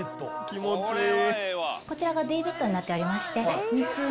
気持ちいい。